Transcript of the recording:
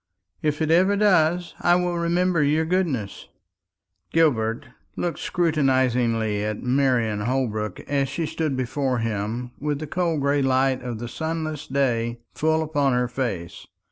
"If it ever does, I will remember your goodness." Gilbert looked scrutinisingly at Marian Holbrook as she stood before him with the cold gray light of the sunless day full upon her face.